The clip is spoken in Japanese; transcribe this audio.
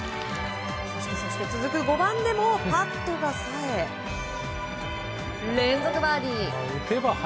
続く５番でもパットがさえ連続バーディー！